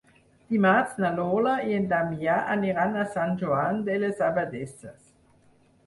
Dimarts na Lola i en Damià aniran a Sant Joan de les Abadesses.